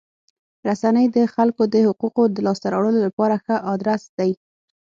رسنۍ د خلکو د حقوقو د لاسته راوړلو لپاره ښه ادرس دی.